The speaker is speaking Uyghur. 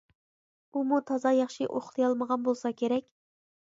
ئۇمۇ تازا ياخشى ئۇخلىيالمىغان بولسا كېرەك.